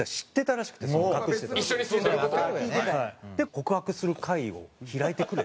「告白する会を開いてくれ」